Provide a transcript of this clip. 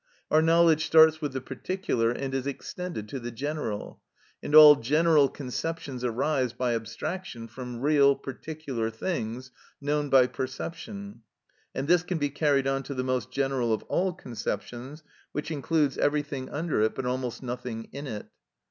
Our knowledge starts with the particular and is extended to the general, and all general conceptions arise by abstraction from real, particular things known by perception, and this can be carried on to the most general of all conceptions, which includes everything under it, but almost nothing in it.